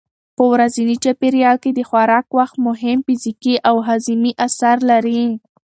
په ورځني چاپېریال کې د خوراک وخت مهم فزیکي او هاضمي اثر لري.